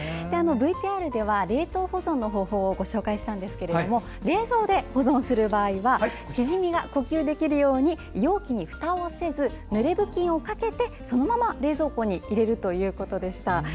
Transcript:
ＶＴＲでは冷凍保存の方法をご紹介したんですけれども冷蔵で保存する場合はシジミが呼吸できるように容器にふたをせずぬれ布巾をかけてそのまま冷蔵庫に入れるということでした。